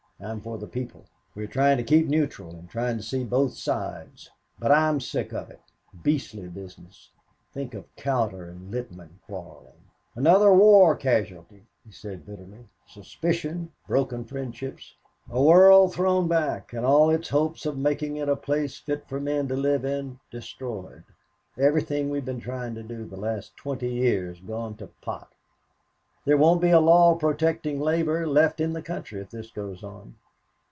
I'm for the people. We're trying to keep neutral and trying to see both sides. But I'm sick of it beastly business think of Cowder and Littman quarreling. Another war casualty," he said, bitterly, "suspicion, broken friendships a world thrown back and all its hopes of making it a place fit for men to live in destroyed. Everything we've been trying to do the last twenty years gone to pot. There won't be a law protecting labor left in the country if this goes on.